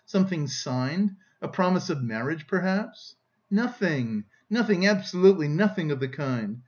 Something signed? A promise of marriage, perhaps?" "Nothing, nothing, absolutely nothing of the kind!